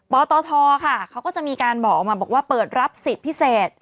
ปทค่ะเขาก็จะมีการบอกว่าเปิดรับสิทธิ์พิเศษ